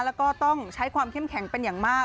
แล้วก็ต้องใช้ความเข้มแข็งเป็นอย่างมาก